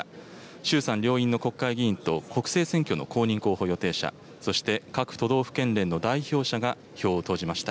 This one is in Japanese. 衆参両院の国会議員と、国政選挙の公認候補予定者、そして各都道府県連の代表者が票を投じました。